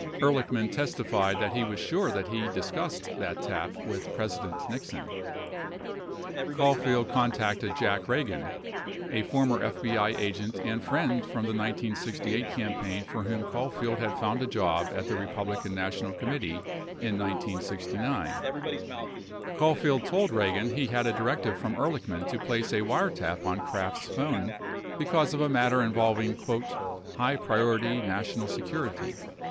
Ehrlichman testified that he w'as sure that he discussed that tap with President Nixon. 16 Caulfield contacted Jack Ragan, a former FBI agent and friend from the 1968 campaign for whom Caulfield had found a job at the Republican National Committee in 1969. Caulfield told Ragan he had a directive from Ehrlichman to place a wiretap on Kraft's phone because of a matter involving "high priority national security."